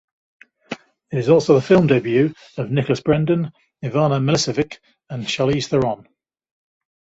It is also the film debut of Nicholas Brendon, Ivana Milicevic and Charlize Theron.